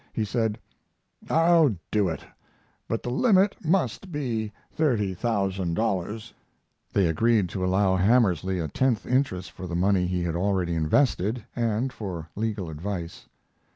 He said: "I'll do it, but the limit must be $30,000." They agreed to allow Hamersley a tenth interest for the money he had already invested and for legal advice.